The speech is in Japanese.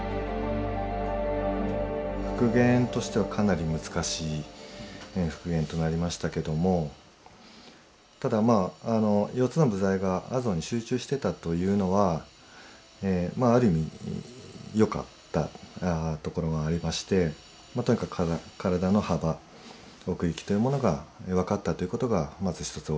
復元としてはかなり難しい復元となりましたけどもただまあというのはまあある意味よかったところがありましてとにかく体の幅奥行きというものが分かったということがまず一つ